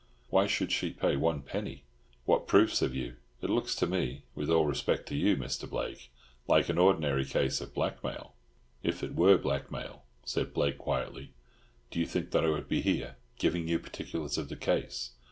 "Why should she pay one penny? What proofs have you? It looks to me, with all respect to you, Mr. Blake, like an ordinary case of blackmail." "If it were blackmail," said Blake quietly, "do you think that I would be here, giving you particulars of the case?